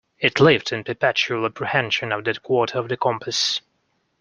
It lived in perpetual apprehension of that quarter of the compass.